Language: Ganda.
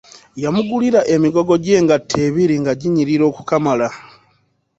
Yamugulira emigoggo gy'engato ebiri nga ginyirira okukamala.